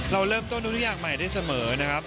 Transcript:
เราเริ่มต้นทุกอย่างใหม่ได้เสมอนะครับ